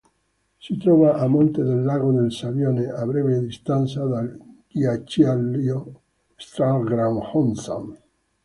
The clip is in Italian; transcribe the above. Si trova a monte del lago del Sabbione, a breve distanza dal ghiacciaio Strahlgrat-Hohsand.